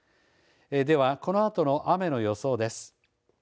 では、このあとの雨の予想です。